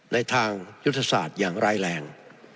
ในทางยุทธศาสตร์อย่างร้ายแรง